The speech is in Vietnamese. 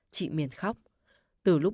chị miền khóc